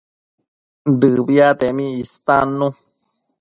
Dëbiatemi istannu